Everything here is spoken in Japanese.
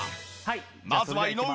まずは井上。